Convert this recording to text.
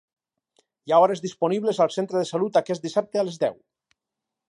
Hi ha hores disponibles al centre de salut aquest dissabte a les deu.